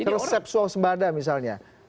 resep so sembada misalnya